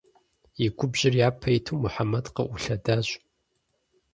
И губжьыр япэ иту Мухьэмэд къыӏулъэдащ.